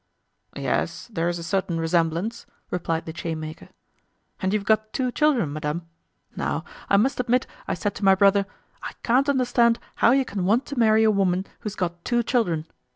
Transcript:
"Yes, there's a certain resemblance," replied the chainmaker. "And you've got two children, madame? Now, I must admit I said to my brother: 'I can't understand how you can want to marry a woman who's got two children.